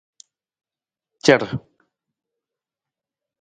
Car.